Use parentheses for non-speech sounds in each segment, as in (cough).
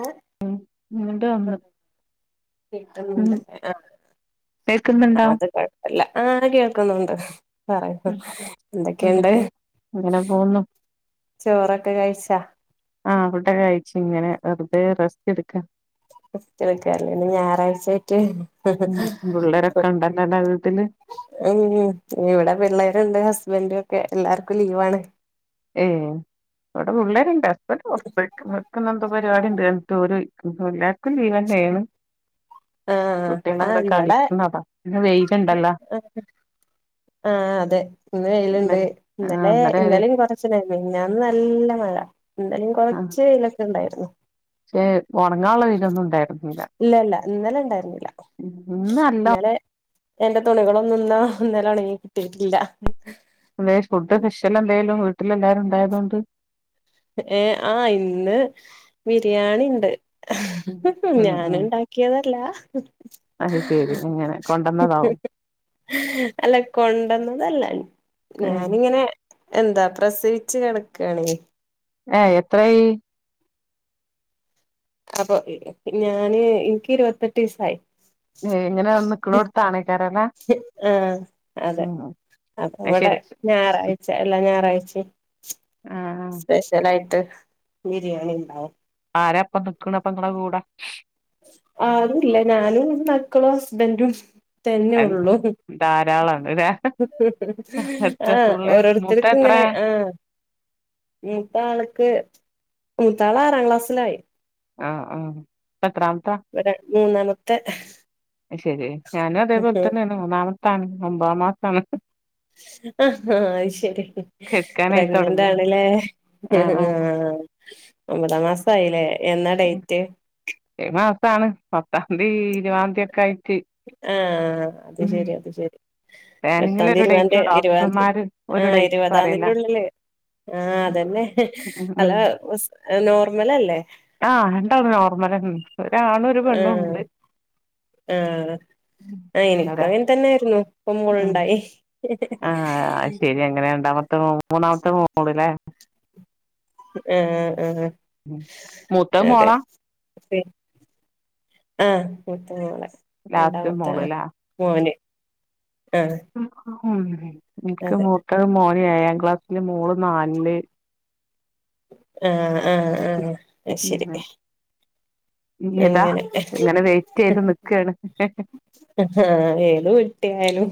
ആഹ് ഉം ഇന്ന്ട്ട് വന്ന് ഉം കിട്ടുന്നുണ്ട് കേൾക്കുന്നുണ്ടോ ആഹ് അത് കൊഴ അല്ല ആഹ് കേക്കുന്നുണ്ട് പറി ഉം എന്തെക്കെണ്ട്? എന്തൊക്കെ അങ്ങനെ പോകുന്നു ചോറൊക്കെ കഴിച്ചാ ആഹ് ഫുഡ്ഡൊക്കെ കഴിച്ച്ങ്ങെനെ വെറുതേ റെസ്റ്റ്ട്ക്കാ (unintelligible) ഇന്ന് ഞാറാഴ്ചായ്ട്ട് ഉം ഇന്ന് പുള്ളാരൊക്കണ്ടല്ലലെ വീട്ട്ല് ഉം ഇവടെ പിള്ളേര്ണ്ട് ഹസ്ബന്റൊക്കെ എല്ലാർക്കു ലീവാണ് ഏഹേ ഇവടെ പിള്ളാര്ണ്ട് അസ്ബന്റ് പൊറത്തെയ്ക്ക്ണ് ഓല്ക്ക്ന്നെന്തോ പരിപാടിണ്ട് റഞിട്ട് ഓല് പെയ്ക്ക്ണ് പിന്നെ ക്കും ജീവെന്റെണ് ആഹ് ആഹ് ഇവടെ കളിക്കുന്നതാ ഇന്ന് വെയിലുണ്ടല്ലോ ആഹ് അതെ ഇന്ന് വെയില്ണ്ട് ഇന്നലെ ആഹ് ഇന്നലേ ഇന്നലെ വരെ ഇന്നലീ കൊറച് (unintelligible) മെനിഞ്ഞാന്ന് നല്ല മഴ എന്തായാലും കൊറച്ച് വെയിലൊക്കെ ഉണ്ടായിരുന്നു പഷെ ഒണങ്ങാള്ള വെയിലൊന്നും ഉണ്ടായിരുന്നില്ല ഇല്ല ഇല്ല ഇന്നലെ ഇണ്ടായിരിന്നില്ല ഇന്ന് നല്ല ഇന്നലെ ഇന്നലെ എന്റെ തുണികളൊന്നും ഇന്ന ഇന്നലെ ഒണങ്ങി കിട്ടിയിട്ടില്ല (unintelligible) ഫുഡ് സ്പെഷ്യലെന്തേലും വീട്ടിൽ എല്ലാരും ഉണ്ടായതുകൊണ്ട് ഏ ആ ഇന്ന് ബിരിയാണി ഇണ്ട് ഉം ഞാന് ഉം ഉണ്ടാക്കിയതല്ല അത് ശെരി അങ്ങനെ കൊണ്ടന്നതാവും അല്ല കൊണ്ടന്നതല്ല ഏഹ് ഞാനിങ്ങനെ എന്താ പ്രസവിച്ചു കിടക്കേണേ ഏ എത്രെയി അപ്പൊ ഞാന് എനിക്ക് ഇരുപത്തെട്ട് സായി എങ്ങനെ നിക്കണോടുത്താണേക്കരല ആ അതെ അപ്പൊ ഇവടെ ഞായറാഴ്ച്ച എല്ലാം ഞായറാഴ്ച്ചെം ആഹ് സ്പെഷ്യലായിട്ട് ബിരിയാണി ണ്ടാ. ആരാ ഇപ്പ നിക്കണ അപ്പ നിങ്ങളടെ കൂടെ ആരൂല്ല ഞാനും മക്കളും ഹസ്ബന്റും തന്നെ ഉള്ളു ധാരാളാണ് ല്ലേ എത്ര ആഹ് പുള്ളേ മൂത്തെ ഓരോരുത്തർക്ക് എത്ര ഇങ്ങനെ ആഹ് മൂത്താൾക്ക് മൂത്താൾ ആറാം ക്ലാസ്സിലായി ആ ആ പത്രാമത്താ ഒര മൂന്നാമത്തെ ശെരി ഞാനും അതേപോലെ ആഹ് തന്നെ മൂന്നാമത്താണ് ഒമ്പതാ മാസാണ് ആഹ് അത് ശരി കെട്ക്കാനായി പ്രഗ്നന്റ് തൊടങ്ങ്ണ് ആണല്ലേ ആഹ് ഒമ്പതാം മാസയില്ലേ എന്നാ ഡേറ്റ് ഈ മാസാണ് പത്താംതീ ഇരുവാ ആഹ് അത് ഉം ശരി അത് ശരി എട്ടാംതി പ്ലാനിങ്ങിലൊരു ഇരുപതാന്തി ഡേറ്റും ഇരുപതാന്തി ഡോക്ടർമാര് ഒരു ആഹ് ഡേറ്റ് ഇരുപതാംതിന്റെ പറയലാ ഉള്ളില് ആഹ് ഉം അതന്നെ അല്ല ഉം സ് നോർമലല്ലേ ആഹ് രണ്ടാളും നോർമലന്നെ ഒരാണു ഒരു പെണ്ണു ആഹ് ഉണ്ട് (unintelligible) തന്നായിരുന്നു ഇപ്പ ഉം മോളുണ്ടായി ആഹ് അശെരി അങ്ങനെ രണ്ടാമത്തെ മൂന്നാമത്തെ മോള് അല്ലേ ഏ ഏ മൂത്തത് അതെ മോളാ പി ആഹ് മുത്തമോളെ ലാസ്റ്റ് രണ്ടാമത്തെ ആ മോള്ല്ലേ മോന് ആഹ് എനിക്ക് അതെ മുത്തത് മോന് ഏഴാം ക്ലാസ്സില് മോള് നാലില് ആഹ് ആഹ് ആഹ് അശെരി യഥാ ഇങ്ങനെ വെയിറ്റെയ്ത് നിക്കേണ് ആഹ് ഏലു കുട്ടിയായാലും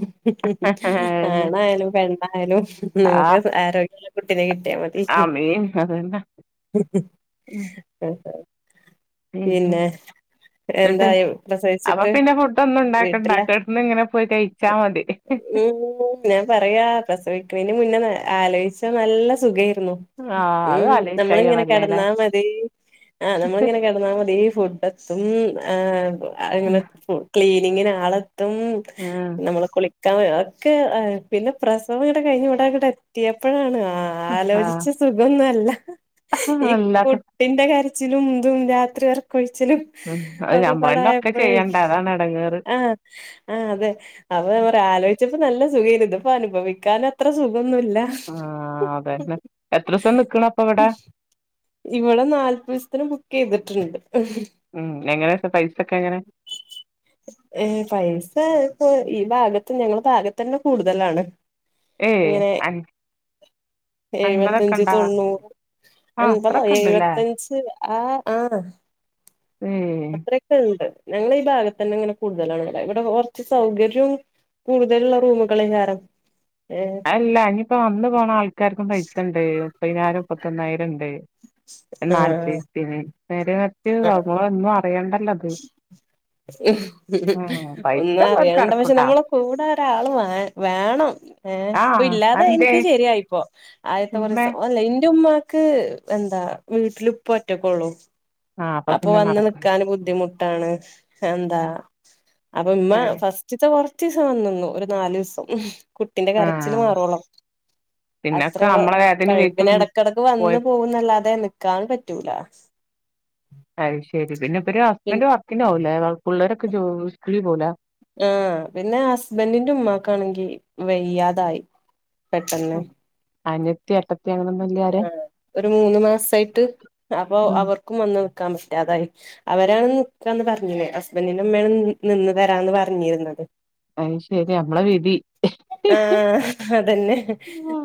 അതന്നെ ആണായാലും പെണ്ണായാലും ആഹ് നമുക്ക് ആരോഗ്യള്ള കുട്ടീനെ കിട്ടിയാൽ മതി. അതന്ന (unintelligible) ഉം പിന്നെ ട്ട് എന്തായി അപ്പൊ പ്രസവിച്ചിട്ട് പിന്നെ ഫുഡൊന്നും ഉണ്ടാക്കണ്ടാ വീട്ടില കെടുന്ന് ഇങ്ങനെ പോയി കയിച്ചാ മതി (unintelligible) ഞാൻ പറയാ പ്രസവിക്കണതിന് മുന്നേ ആലോചിച്ച നല്ല സുഖായിരുന്നു ആഹ് അത് ഉം ആലോചിക്കാ നമ്മളിങ്ങന ചെയ്യണല്ലേല്ലേ കെടന്നാ മതി ആഹ് നമ്മളിങ്ങനെ കെടന്നാ മതി ഫുഡൊക് ത്തും ആഹ് അങ്ങനെ ക്ലീനിങ്ങിനാളെത്തും ഉം നമ്മള് കുളി ഒക്കെ ആ പിന്നെ പ്രസവങ്ങട് കഴിഞ്ഞ് ഇവിടെങ്ങടെ എത്തിയപ്പോഴാണ് ആ ആഹ് ആലോചിച്ച് സുഖൊന്നല്ല ഈ കു അല്ലാത്ത ട്ടിന്റെ കരച്ചിലും ഇതും രാത്രി ഒറക്കം ഒഴിച്ചിലു ഉം അത് നമ്മളെന്ന ഒക്കെ ചെയ്യേണ്ട അതാണ് ഇടങ്ങയറ് ആ ആ അതെ. അപ്പൊ പറയാ ആലോചിച്ചപ്പോ നല്ല സുഖയ്ന് ഇത്പ്പൊ അനുഭവിക്കാൻ അത്ര സുഖന്നുവല്ല ആ അതെന്നെ എത്ര ദിവസം നിക്കണ് അപ്പൊ ഇവിടെ? ഇവിടെ നാല്പ്പത് ദിവസത്തിന് ബുക്ക് ചെയ്തിട്ടുണ്ട് ഉം എങ്ങനെ പ്പ പൈസ ഒക്കെ എങ്ങനെ? ഏ പൈസ ഇപ്പൊ ഈ ഭാഗത്ത് ഞങ്ങള ഭാഗത്ത് തന്നെ കൂടുതലാണ്. ഏഹ് ഇങ്ങനെ അന് എഴുപത്തഞ്ച് തൊണ്ണൂറ് ആഹ് അൻപതോ അത്രൊക്കെ ഇണ്ട്ല്ലേ എഴപത്തഞ്ച് ആഹ്‌ ഓ ഉം. ണ്ട് ഞങ്ങള ഈ ഭാഗത്ത് തന്നെ ഇങ്ങനെ കൂടുതലാണ് വരാ ഇവിടെ കുറച്ച് സൗകര്യു കൂടുതലുള്ള റൂമുകളാക്കാറും അല്ല ഇനിയിപ്പ വന്ന് പോണെ ആൾക്കാർക്കു പൈസ ഇണ്ട് മുപ്പതിനായിരം മുപ്പത്തൊന്നായിരം ഇണ്ട് നാല്പത് ആഹ് ദൂസതിന് പെരീത്തെ ആഹ് അതു ഒന്നു അറിയണ്ടല്ലോ. ഇത് ആഹ് പൈസ ഒന്നും ഉള്ളോർക്ക് അറിയണ്ട പക്ഷെ നടക്കൂട്ടാ നമ്മള് കൂടെ ഒരാള് വേ വേണം ഏ ഇപ്പൊ ആഹ് ഇല്ലാതെ അതെന്തേ എനിക്ക് ശരിയായിപ്പോ ആദ്യത്തെ ഉമ്മേ കുറേസ്സം അല്ല എന്റെ ഉമ്മ ക്ക് എന്താ വീട്ടില് പ്പ ഒറ്റക്കൊള്ളൂ ആഹ് അപ്പൊ പിന്നെ വന്ന് നടക്കും നിക്കാൻ ബുദ്ധിമുട്ടാണ് എന്താ അപ്പൊ ഇമ്മ ഏഹ് ഫസ് ന്ച് ചോർച്ച് ദിവസം വന്ന് നിന്നു ഒരു നാലു ദിവസം കുട്ടിന്റെ കരച്ചില് ആഹ് മാറോളം അത്ര പിന്നൊക്കെ വെ നമ്മളെ കാര്യത്തിന് പ്പ വീട്ടും ഇടക്കെകെടക് പോയ വന്നു പോകുന്നന്നല്ലാതെ നിക്കാ പറ്റൂല അയ് ശരി പിന്നെ ഇപ്പര് പി ഹസ്ബൻന്റ് വർക്കിന് പോവൂലേ പിള്ളേരൊക്കെ ജോ സ്കൂളിൽ പോവുല്ല? ഹെ പിന്നെ ഹസ്ബന്റിന്റെ ഉമ്മാക്കാണെങ്കി വെയ്യാതായി പെട്ടെന്ന്. അനിയത്തി എട്ട ന്കി അങ്ങനൊന്നുല്ല ഒരു മൂന്ന് മാസായിട്ട് അപ്പൊ അവർക്കും വന്ന് നിക്കാൻ പറ്റാതായി അവരാണ് നിക്കാന്ന് പറഞ്ഞിർന്നത് ഹസ്ബന്റിന്റെ ഇമ്മേണ് നിന്ന് തരാന്ന് പറഞ്ഞിരുന്നത് അത് ശരി നമ്മളെ വിധി ഹെ അതന്നെ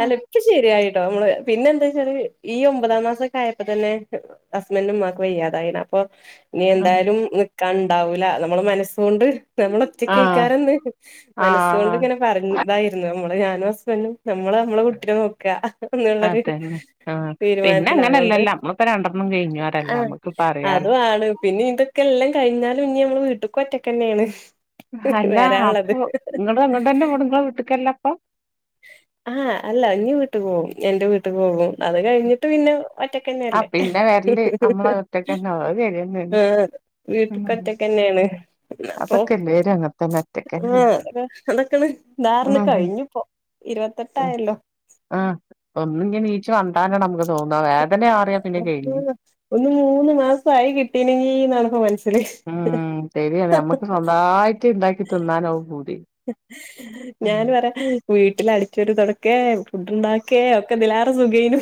അലും ക്ക് ശരിയായിട്ടോ നമ്മള് പിന്നെ എന്താ വെച്ചാല് ഈ ഒമ്പതാം മാസൊക്കെ ആയപ്പോ തന്നെ. ഹസ്ബന്റിന്റെ ഉമ്മാക്ക് വയ്യാതായിന് അപ്പൊ. നീ എന്തായാലും നിക്കാ ഇണ്ടാവൂല നമ്മള മനസ്സ് കൊണ്ട് നമ്മള ആഹ് ഒറ്റക്കുനിക്കാരെന്ന് മനസ്സൊണ്ട് ആഹ് ഇങ്ങനെ പറഞ്ഞ് ഇതായിരുന്നു നമ്മള് ഞാനും ഹസ്ബൻന്റു നമ്മള് നമ്മളെ കുട്ടിയെ നോക്കാ എന്നുള്ളരു അതന്നെ ആഹ് പിന്നെ തീരുമാനത്തിലാ അതുകൊണ്ട് അങ്ങനെയല്ലല്ലോ നമ്മളിപ്പോ രണ്ടെണ്ണം കഴിഞ്ഞോരല്ലേ ആഹ് നമ്മുക്കിപ്പ അറിയാലോ അതുമാണ് പിന്നെ ഇതൊക്കെ എല്ലാ കഴിഞ്ഞാലും ഇനി നമ്മൾ വീട്ടക്ക് ഒറ്റക്ക്‌ തന്നെയാണ് അല്ല അപ്പൊ നിങ്ങള് നിങ്ങള തന്നെ ആണുങ്ങള വീട്ടിക്കല്ല അപ്പൊ? ആഹ് അല്ല ഇഞ് വീട്ടുക്ക് പോകും എന്റെ വീട്ടിക്ക്‌ പോകും അത് കഴിഞ്ഞിട്ട് പിന്നെ ആഹ് ഒറ്റക്കന്നെയല്ലേ പിന്നെ വരല് നമ്മളെ ഒറ്റക്കന്നെ അത് ശരിയെന്നേണ് ആഹ്. വീട്ടുക്ക് ഒറ്റയ്ക്കെന്നെണ് അപ്പൊ അതൊക്കെ എല്ലാരും അങ്ങൻത്തന്നെ ആ ഒറ്റക്കന്നെ അ അതൊക്കാണ് താർന്ന് കഴിഞ്ഞുപ്പോ ഇരുവത്തെട്ടായല്ലോ? ആ ഒന്നും ഇനീച്ചു വേണ്ടാന്ന് നമുക്ക് തോന്ന വേ അന്ക്ക് ഒന്ന് മൂന്ന് മാസായി കിട്ടീനെങ്കിനാണിപ്പ മനസി ഉം തരിയാ ഞമ്മക്ക് സ്വന്തമായിട്ട് ഇണ്ടാക്കി തിന്നാനാവു പൂതി ഞാൻ പറയാ വീട്ടിൽ അടിച്ചു വാരി തുടക്കേ ഫുഡ് ഇണ്ടാക്കേ ഒക്കെ ഇതിലാറ് സുഖയുനു.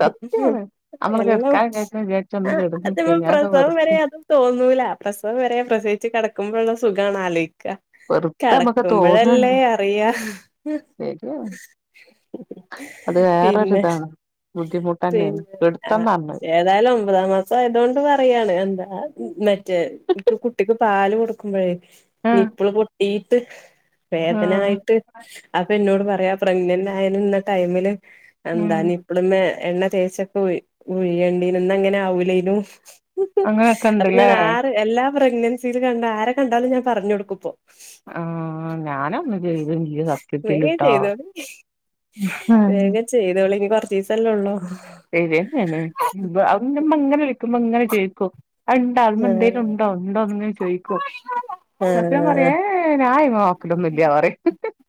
സത്യാണ് നമ്മള് എല്ലാ കെടക്കാൻ വിചാരിച്ചാ വിചാരിച്ച് ഒന്ന് ആ കെടന്ന് അതിപ്പ കഴിഞ്ഞാ അതൊക്കെ പ്രസവം വരെ വെറുതെ തോന്നൂല പ്രസവം വരെ പ്രസവിച്ച് കിടക്കുമ്പോഴുള്ള സുഖാണ് ആലോയിക്ക. വെറുതെ മ്മക്ക് തോന്നാണ് കെടക്കുമ്പഴല്ലേ അറിയാ ശരിയാണ്.. അത് പിന്നെ വേറൊരിതാണ് ബുദ്ധിമുട്ടന്നെണ്... പിന്നെ ആഹ് എടുത്തന്നറഞ്ഞത് ഏതായാലും ഒമ്പതാം മാസം ആയതോണ്ട് പറയാണ് എന്താ മറ്റേ ഇപ്പ കുട്ടിക്ക് പാല് കൊടു ക്കുമ്പഴേ ആഹ് നിപ്പള് പൊട്ടീട്ട് ആഹ് വേദനായിട്ട് അതെന്നോട് പറയാ പ്രഗ്നന്റ് ആയിര്ന്ന ടൈമില് എന്താ ഉം നി (unintelligible) എണ്ണ തേച്ചൊക്കെ ഉഴിയേണ്ടീനു... ന്നങ്ങനെ ആവൂലേന്നു അങ്ങനെയൊക്കെ അത്‌ ഞാൻ ഇണ്ട്ല്ലേ ആര് എല്ലാ പ്രഗ്നൻസിൽ കണ്ട ആരെ കണ്ടാലും ഞാൻ പറഞ്ഞു കൊടുക്കുപ്പോ ആഹ് ഞാനൊന്നും ചെയ്ത് ല്യ. വേഗം ചെയ്തോ ഉം വേഗം ചെയ്തോളി ഇനി കൊറചീസല്ലോള്ളൂ ശരിന്നേണ്.. അവ്ട്ന്ന്ന്റുമ്മ ങ്ങനെ വിളക്കുമ്പോ ങ്ങനെ ചോയ്ക്കും അത്‌ണ്ടാ അതിമ്മേ ആഹ് ന്തേലും ണ്ടോ ഉണ്ടോന്ന്ങ്ങെ ചോയ്ക്കും സത്യം ആഹ് പറയാ ഏഹ് ഹേ ഞാൻ നോക്കലൊന്നുല്ല്യ പറയി..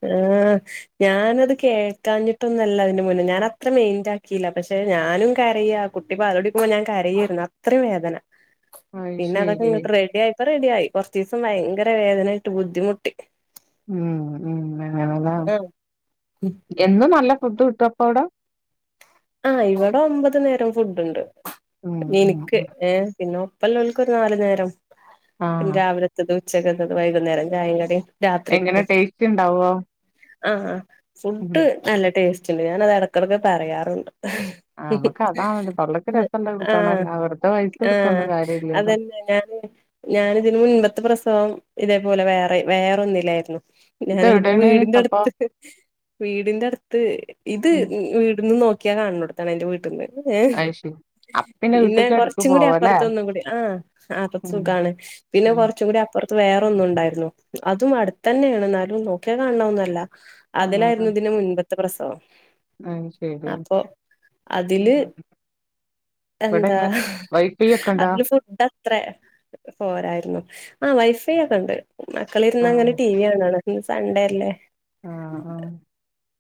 ഏഹ് ഞാനത് കേൾക്കാഞ്ഞിട്ടൊന്നല്ല അതിന് മുന്നേ ഞാൻ അത്ര മെയിന്റ് ആക്കീല പക്ഷെ ഞാനും കരിയ കുട്ടി പാലുടിക്കുമ്പോ ഞാൻ കരയരുന്നു അത്രയും വേദന അത് പിന്നെ അതൊക്കെ ശരി. ങ്ങട്ട് റെഡി ആയി ഇപ്പ റെഡിയയി കുറചീസം ഭയങ്കര വേദനായിട്ട് ബുദ്ധിമുട്ടി ഉം ഉം അങ്ങനെ ലേ ആഹ് എന്നും നല്ല ഫുഡ് കിട്ടോ അപ്പോ അവ്ടെ? ആ ഇവിടെ ഒമ്പത് നേരം ഫുഡ് ണ്ട് ഉം ഉം എനിക്ക് ഉം ഏ പിന്നൊ ഇപ്പല്ലോല് ക്ക് ഒരു നാലു നേരം പിന്നെ ആഹ് രാവിലത്തത് ഉച്ചക്കത്തത് വൈകുന്നേരം ചായ കടി എങ്ങനെ രാത്രിക്കും ടേസ്റ്റ് ഇണ്ടാവോ? ആ ഉം ഫുഡ് നല്ല ടേസ്റ്റ് ഉണ്ട് ഞാനത് ഇടക്കിടക്ക് പറയാറുണ്ട് ആഹ് നമ്മക്ക് അതാണല്ലോ തൊള്ളക്ക് രസള്ളത് ആഹ് കിട്ടണല്ലോ വെറുതെ പൈസ കൊടുത്തോണ്ട് ആഹ് കാര്യല്ലല്ലോ. അതന്നെ ഞാന് ഞാനിതിന് മുൻപത്തെ പ്രസവം ഇതേപോലെ വേറെ വേറൊന്നിലായിരുന്നു ഞാൻ ന്റെ ഇതെവിടേണ് അപ്പൊ? വീടിന്റട്ത് വീടിന്റട്ത് ഇത് ഉം വീടിന്ന് നോ നോക്കിയ കാണ്ന്നോടുത്താണ് എന്റെ വീട്ട്ന്ന് അയ്ഷരി പിന്നെ കൊറച്ചും കൂടി അപറത്തുന്നും കൂടി.. ആഹ് ആഹ്.. ഇപ്പൊ ഉം സുഖാണ് പിന്നെ ഉം കുറച്ചുകൂടി അപ്പുറ വേറൊന്നുണ്ടായിരുന്നു.. അതും അടുത്തന്നെണ്.. ന്നാലും നോക്കിയാ കാണണോന്നല്ല ആഹ് അതിലായിരുന്നു തിന്റെ മുൻപത്തെ പ്രസവം. അത് ശരി. അപ്പൊ ഉം അതില് ഇവിടെ എന്താ ഇങ്ങ് വൈഫൈ ഒക്കെ ഉണ്ടാ അതിൽ ഫുഡ അത്ര പോരായിര്ന്ന്.. ആ വൈഫൈക്കെണ്ട്.. ആഹ് മക്കളിര്ന്നങ്ങനെ ടി വി കാണാണ് ഇന്ന് സൺഡേ ല്ലേ? ആഹ് ആഹ്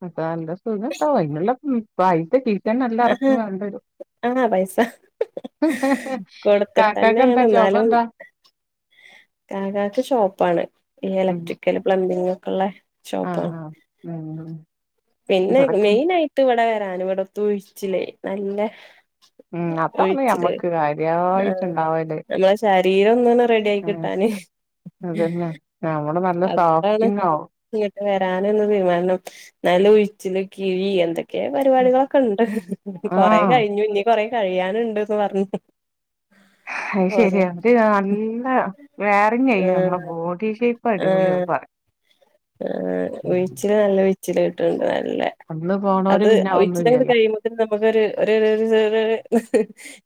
അപ്പ നല്ല സുഖണ്ടാവും അയ്ന്ള്ള ഉം പൈസ കി ആഹ്.. പൈസ കാക്കാക്ക് എന്താ കൊടുത്തിട്ട്ന്നേണ് ജോബ് ന്നാലും എന്താ കാക്കാക്ക് ഷോപ്പാണ് ഈ ഉം ഇലക്ട്രിക്കൽ പ്ലംബിങ് ഒക്കെ ള്ളെ ആഹ് ആഹ് (unintelligible) പിന്നെ ഇവിടൊക്കെ മെയിനായിട്ട് ഇവിടെ വരാന് ഇവിടത്തെ ഉഴിച്ചില് നല്ല ഉം അതാണ് ഒഴിച്ചില് ഞമ്മക്ക് കാര്യായിട്ട് ആഹ് ണ്ടാവല്. നമ്മളെ ശരീരം ഒന്നണ് റെഡ്യായി കിട്ടാന്. ആഹ്.. നമ്മള് നല്ല അതാണ് സോഫ്റ്റിങ് ആവും ങ്ങട്ട് വരാനന്ന് തീരുമാനം നല്ല ഉഴിച്ചില് കിഴി എന്തൊക് ക്കെ പരിപാടികളൊക്കെണ്ട്.. കൊറെേ ആഹ് കഴിഞ്ഞു.. ഇനി കൊറേ കഴിയാനുണ്ട്ന്ന് പറഞ്ഞു അയ്ശരി ഓരോ അത്‌ നല്ല വേറിങ്ങയ്യു ആഹ് നമ്മളെ ബോഡി ഷേപ്പ് ഇപ്പടിപൊളിയാ ആഹ് (unintelligible) ആഹ് ഉഴിച്ചില് നല്ല ഉഴിച്ചില് കിട്ട്ണ്ട് നല്ല അന്ന് പോണോര് അത് പിന്നെ അതൊന്നും ഇല്ലല്ലോ ഉഴിച്ചിലങ്ങട്ട് കഴിയുമ്പോഴ് നമുക്ക് ഒരു രു രു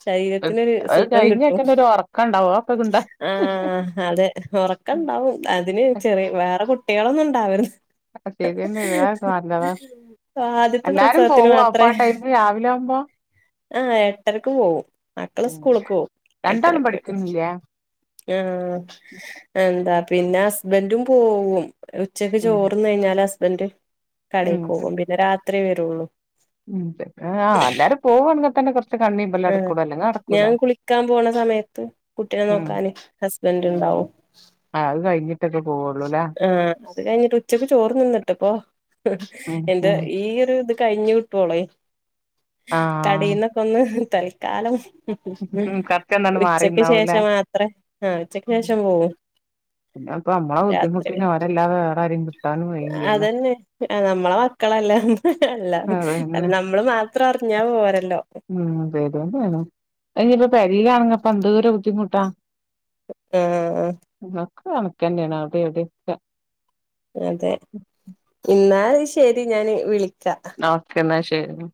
ശരീരത്തിനൊരു അത് സുഖം കിട്ടും കഴിഞ്ഞക്കന്നെ ഒരു ഒറക്കം ഉണ്ടാവും അതൊക്കെ ഇണ്ടാ ആഹ് അതെ ഉറക്കണ്ടാവും അതിന് ചെറിയ വേറെ കുട്ടികളൊന്നും ഇണ്ടാവരുത്. ശരിയന്നെയാണ് അതൊക്കെ നല്ലതാ ആദ്യത്തെ എല്ലാരും പ്രസവത്തിന് പോവോ അപ്പൊ ആ മാത്രേം ടൈമില് രാവിലെ ആവുമ്പോ ആ എട്ടരക്ക് പോവും മക്കളെ സ്കൂളക്ക് പോവും രണ്ടാളും എട്ടരക്ക് പഠിക്കുന്നില്ലേ ആഹ് എന്താ പിന്നെ ഹസ്ബൻറും പോവും. ഉച്ചക്ക് ഉം ചോറുന്ന് കഴിഞ്ഞാൽ ഹസ്ബൻറ് ഉം കടെക്ക് പോകും പിന്നെ രാത്രിയെ വരുള്ളൂ. ഉം ആഹ് എല്ലാരും പോവാണെങ്കിൽ തന്നെ കുറച്ച് (unintelligible) ആഹ് അടക്കൂട അല്ല (unintelligible) ഞാൻ കുളിക്കാൻ പോണ സമയത്ത് കുട്ടീനെ ഉം നോക്കാനെ ഹസ്ബൻറ് ഉണ്ടാവും ആഹ് അത് കഴിഞ്ഞിട്ടൊക്കെ പോവുള്ളൂല്ലാ ആഹ് അത് കഴിഞ്ഞിട്ട് ഉച്ചക്ക് ചോറ് തിന്നിട്ട് ഇപ്പൊ ഉം ഉം എന്റെകയ്യിൽ - ഈ ഒരു ഇത് കഴിഞ്ഞു കിട്ടുപൊളെ ആഹ് കടയിന്നൊക്കെ ഒന്ന് തൽക്കാലം ഉം കൊറച്ചൊന്നണ്ട് മാറി ഉച്ചക്ക് നിന്നാവൂല്ലേ ശേഷം മാത്രേ ആഹ് ഉച്ചക്ക് ശേഷം പോവൂ പിന്നെ ഇപ്പ നമ്മെ ബുദ്ധിമുട്ടിന് അവരെല്ലാതെ വേറെയാരു അതന്നെ നമ്മളെ മക്കളെല്ലാം എല്ലാം അതന്നെ നമ്മളെ മാത്രം അറിഞ്ഞാ പോരല്ലോ ഉം ശരി എന്ത ഇനിയിപ്പ പേരയിലാണപ്പ എന്തരെ ബുദ്ധിമുട്ടാ- ആഹ് ക്കെ കണക്കന്നെയണ്. അവിടെ എവിടെ അതെ എന്നാൽ ശരി ഞാൻ വിളിക്കാം. ഓക്ക എന്നാൽ ശരി